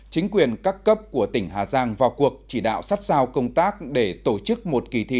chính quyền các cấp của tỉnh hà giang vào cuộc chỉ đạo sát sao công tác để tổ chức một kỳ thi